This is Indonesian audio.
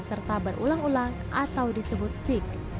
serta berulang ulang atau disebut tik